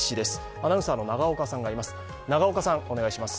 アナウンサーの永岡さんがいます。